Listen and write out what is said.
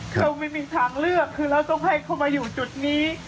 เขาไม่มีทางเลือกคือเราต้องให้เขามาอยู่จุดนี้